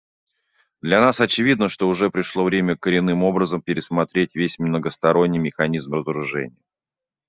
Для нас очевидно, что уже пришло время коренным образом пересмотреть весь многосторонний механизм разоружения.